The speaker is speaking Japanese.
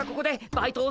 バイト？